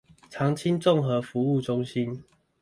長青綜合服務中心